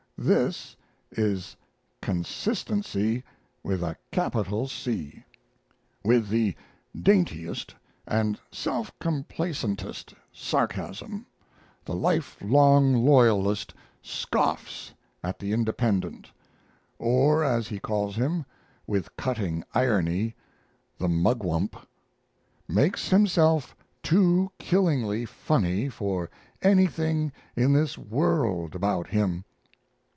This is Consistency with a capital C. With the daintiest and self complacentest sarcasm the lifelong loyalist scoffs at the Independent or as he calls him, with cutting irony, the Mugwump; makes himself too killingly funny for anything in this world about him.